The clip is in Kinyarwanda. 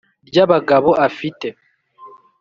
Ry'abagabo afite,